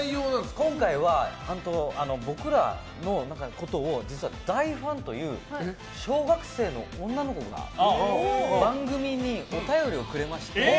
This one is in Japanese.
今回は僕らのことを実は大ファンという小学生の女の子が番組にお便りをくれまして。